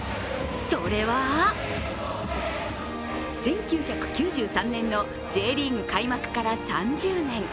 それは、１９９３年のＪリーグ開幕から３０年。